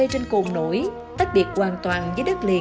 một làng quê trên cồn nổi tách biệt hoàn toàn với đất liền